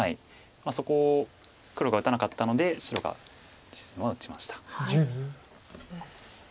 そこを黒が打たなかったので白が実戦は打ちました。